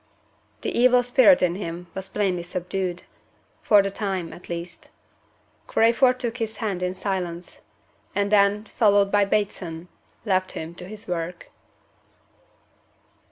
The evil spirit in him was plainly subdued for the time, at least. Crayford took his hand in silence; and then (followed by Bateson) left him to his work.